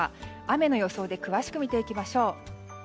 雨の予想で詳しく見ていきましょう。